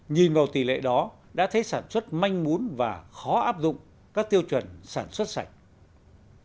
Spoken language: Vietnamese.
nhìn vào tỷ lệ đó đã thấy sản xuất manh muốn và khó áp dụng các tiêu chuẩn sản xuất sản phẩm